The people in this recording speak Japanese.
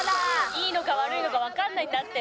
いいのか悪いのかわからないんだって。